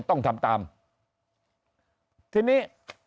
ต้องทำตามทีนี้